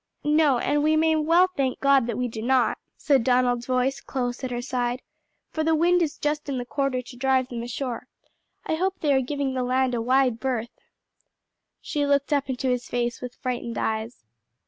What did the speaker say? "No; and we may well thank God that we do not," said Donald's voice close at her side, "for the wind is just in the quarter to drive them ashore: I hope they are giving the land a wide berth." She looked up into his face with frightened eyes.